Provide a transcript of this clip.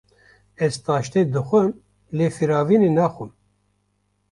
Ez taştê dixwim lê firavînê naxwim.